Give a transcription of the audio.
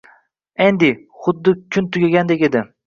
Andy? Xuddi kun tugagandek edi